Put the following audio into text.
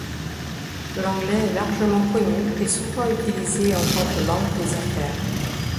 L'anglais est largement connu et souvent utilisé en tant que langue des affaires.